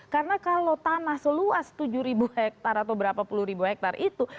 karena kalau tanah seluas tujuh hektar atau berapa puluh ribu hektar itu